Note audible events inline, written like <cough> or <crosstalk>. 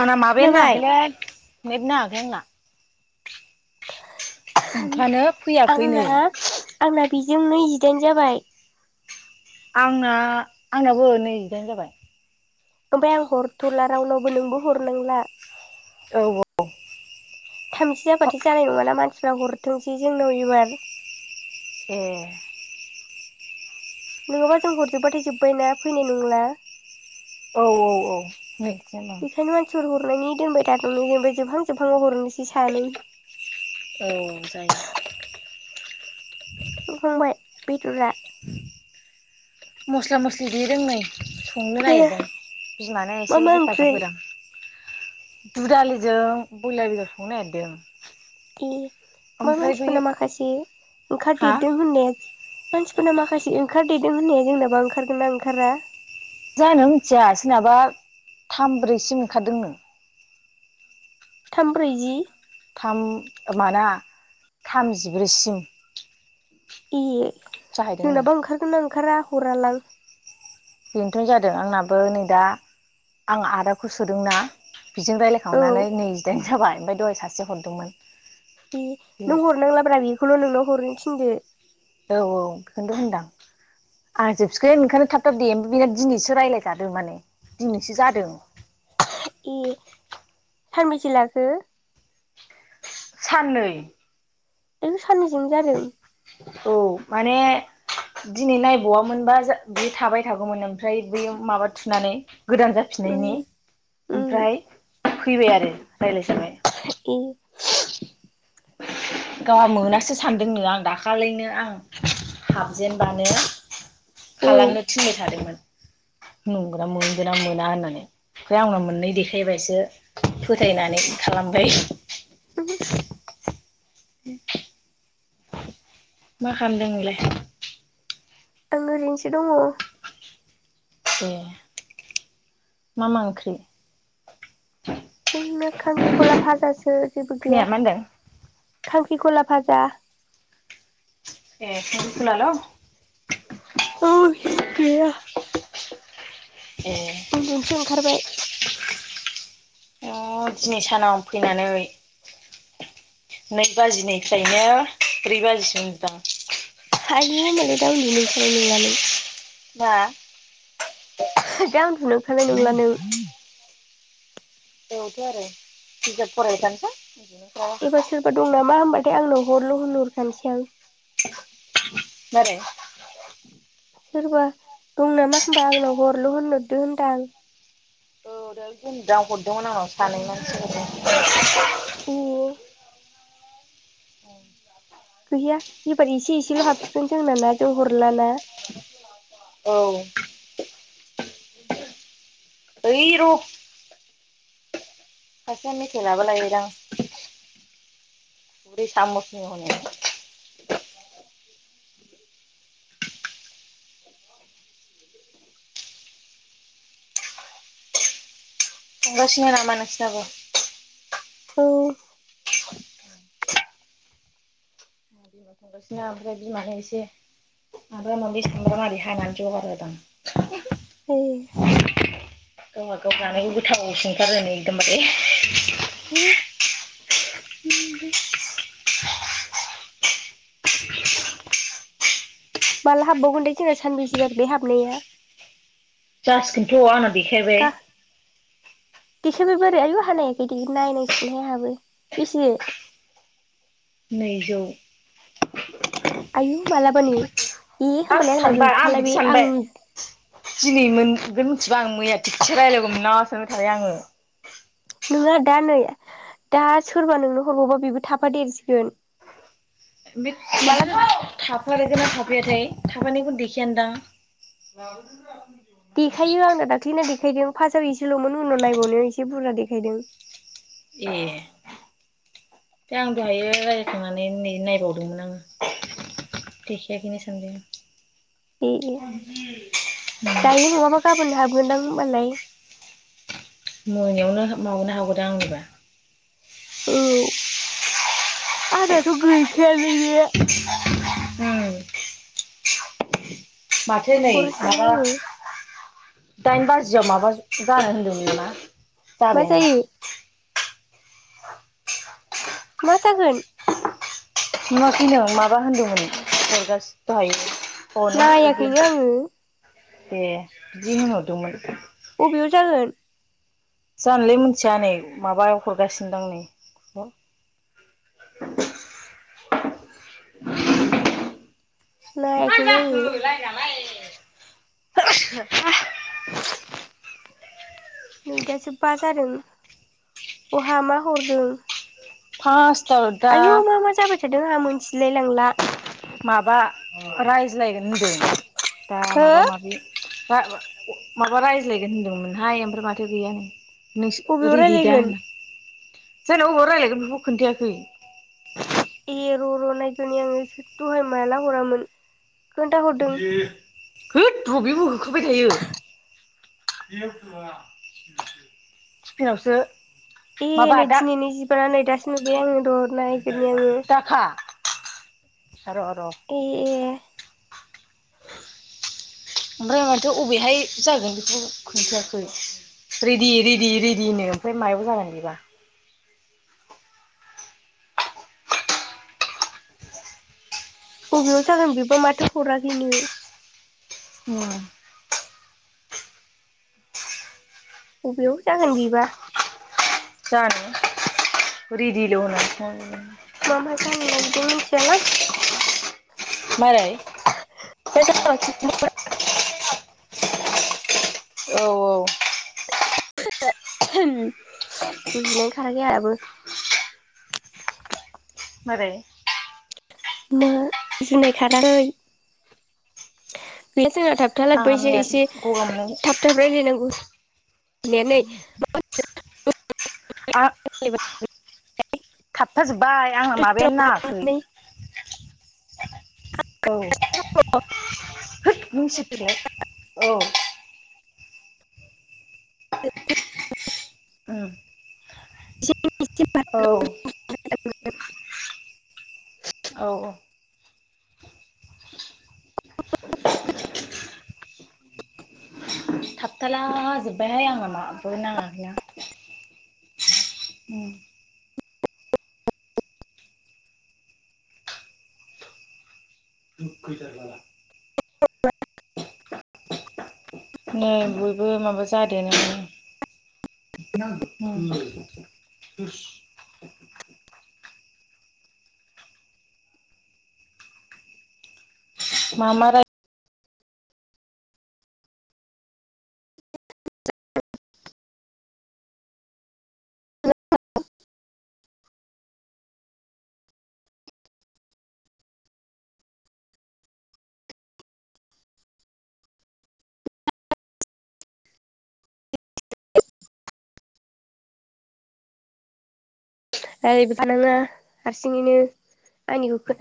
आंना माबायानो खोनाबाय नांङाखैलै नेट नांङाखै बुंना आंना आंना बेजों नैजिदाइन जाबाय आंना आंनाबो नैजिदाइन जाबाय ओमफ्राय आं हरथ'ला रावनावबो नोंबो हरनांला। औ औ थामजिसे जाबाथाय जानाय नंङाना मानसिफ्रा हरथोंसै जोंनाव एबार ए नंङाबा जों हरजोब्बाथाय जोबबायना फैनाय नंला औ औ औ नै बेखायनो मानसिफोर हरनायनि दोनबाय थाथ'नो ओमफाय जोबहां जोबहांङाव हरनोसै सानै औ जायो संंखांबाय बेदरा? मस्ला मस्लि देदों नै संनो नागिरदों बिमानो मा एसे मा ओंख्रि हेफाजाब होदां दुदालिजों ब्यलार संनोनागिरदों ए बा मानसिफोरना माखासे हा ओंखारदेरदों होननाया मानसिफोरना माखासे ओंखारदेदों होननाया जोंनाबा ओंखारगोना ओंखारा जानो मिथिया सोदनाबा थामब्रैसिम ओंखारदों नो थाम ब्रैजि थाम माना थामजिब्रैसिम ए जाहैदोंनो जोंनाबा ओंखारगोनना ओंखारा हरालां बेनोथ' जादों आंनाबो नै दा आं आदाखौ सोदोंना बिजों औ रायलायखांनानै नैजिदाइन जाबाय ओमफाय दहाय सासे हरदोंमोन। ए नों बे हरनांलाब्रा बेखौल' नोंनाव हरनो थिनदो औ औ बेखौथ' होनदां आं जोबसिगोन ओंखायनो थाबथाब देम बिनो दिनैसो रायलायजादोंमोन। दिनैसो जादों। ए सानबेसे लाखो? साननै ए साननैजों जादों। औ माने दिनै नायबावामोनबा जा बे थाबाय थागौमोन ओमफ्राय बेयाव माबा थुनानै गोदान उम जाफिननायनि उम ओमफ्राय फैबाय आरो रायलायजाबाय ए गावहा मोनासो सानदोंनो आं दाखालैनो आं हाबजेनबानो औ खालामनो थिनबाय थादोंमोन। नंगोना मोनगोना मोना होननानै ओफ्राय आंना मोननाय देखायबायसो फोथायनानै खालामबाय <unintelligible> मा खालामदों नोंलाय? आं ओरैनोसो दङ। ए मा मा ओंख्रि? ओं नो खांख्रिखला भाजासो जेबो गैया। खोनाया मा होनदों खांख्रिखला भाजा। ए खांख्रिखलाल' औ गैया। ए उन्दुनोसो ओंखारबाय। आ दिनै सानाव फैनानै नै बाजिनिफ्रायनो ब्रै बाजिसिम आयु होमबालाय दा उन्दुनो ओंखारनाय नंला नों। हा? दा उन्दुनो ओंरखानाय नंला नों। बेवथ' आरो बिजाब फरायबाय थानोसै आं। एबार सोरबा दं नामा होमबाथाय आंनाव हरल' होनहरखानोसै आं। मारै? सोरबा दं नामा होमबा आंनाव हरल' होनहरदो होनदो आं। औ दहाय <unintelligible> हरदोंमोन आंनाव सानै मानसि। ए गैया एबार एसे एसेल' हाबसिगोन जोंनाना जों हरलाना। औ ओइ र' फास साननैसो लाबोलायबाय दां। <unintelligible> <unintelligible> औ नोंसिनो ओमफ्राय बिमानो एसे आ माबा माबि सोंबा मारि हाबानि जगार होदां। उम गोमो गोफा नै गोथाव नुसि खारो एकदमबारे। हो माला हाबबावगोन दे जोंना सानबेसे जागो दे हाबनाया। जासिगोनथ' आंना देखायबाय। देखायबायबो आरो आयु आहा नायाखै दे नायनांसिगोनहाय आंहाबो बेसे? <inaudible> नैजौ। आयु मालाबानो। ए आं होमबालाय आंना सानबाय आं गैखाला बिदि बे सानबाय दि दिनै मोन बे मिथिबा आं मैया थिगसे रायलायगौमोन ना सानबाय थाबाय आङो। नोङा दा नै दा सोरबा नोंनो हरबावबा बेबो थाफा देरसिगोन। बे माला <unintelligible> थाफागोनना थाफैयाथाय। थाफानायखौ देखायानो दां। देखायो आं ना दाख्लै ना दे देखायदों फासआव इसेल'मोन उनाव नायबावनायाव एसे बुरजा देखायदों। ए दे आं दहायो रायलाय खांनानै नै नायबावदोंमोन आङो। देखाया खैनो सोंदों ए दायो नङाबा गाबोन हाबगोनदां होमबालाय। मोनायावनो हाबबावगोन ना हागौथाय आंनिबा। औ आंनाथ' गैखायालै बे उम। माथो नै हरासैना माबा आङो दाइन बाजियाव माबा जानो होनदोंमोन नामा मा जाबायानो। जायो मा जागोन? नुआखैनों माबा होनदोंमोन थांगासिन दहायो हनो बिदि नायाखैनो आङो दे बिदि होनहरदोंमोन। बबेयाव जागोन? जानोलै मिथिया नै माबायाव हरगासिनो दां नै <inaudible> मा नायाखैनो जाखो आङो लाइन आलाय? <inaudible> नै दासो बा जादों बहा मा हरदों? फास आयु मा मा जाबाय थादों आंहा मोनथिलाय लांला। माबा रायज्लायगोन होनदों दा हो माबा माबि दा माबा रायज्लायगोन होनदोंमोनहाय ओमफ्राय माथो गैयानो। नोंसो बबेयाव रेडि दा रायलायगोन जानो अबाव रायजलायगोन बेखौ खोन्थायाखै। ए र' र' नायगोरनि आङो दहाय माला हरामोन खोन्थाहरदों। होद रबियो होखाबाय थायो। <unintelligible> तिफिनावसो ए नै दिनैनि जिबाना नै दासो नुबाय आङो र' नायगोरनि आङो। दाखा र' र' ए ए। <inaudible> ओमफ्राय माथो अबेहाय जागोन खौ खोनथाखै। रेदि रेदि रेदिनो ओमफाय मायाव जागोन बिबा। बबेयाव जागोन बिबा माथो हराखैनो? बबेयाव जागोन बिबा? जानो रेडिल' होनो। मा मा जानो नागिरदों मिथियालां? मारै? <unintelligible> औ औ। गुजुनायानो खाराखै आंहाबो। मारै? मा? जुनाय खाराखै। बे जोंना थाबथा आंहा लायबायसै मैया एसे गगा मोननाय थाब थाब रायलायनांगौ। <unintelligible> आ। बोरैबा थाबथाजोबबाय आङो दसे माबायानो राव नाङाखै। खालामनानै औ। होद नों सिरिथाया औ। <unintelligible> ओ। औ। <unintelligible> औ औ। थाबथाला जोब्बायहाय आं माबो नाङाखैना। उ। दुखैथारला। नै बयबो माबा जादों। बिना गु उन्द <unintelligible> <inaudible> मामा रा <unintelligible> आरो बिफानाङा हारसिङैनो। आंनिखौ खोनाया